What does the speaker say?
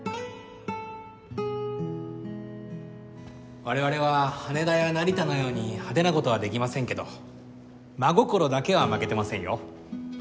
我々は羽田や成田のように派手な事はできませんけど真心だけは負けてませんよ。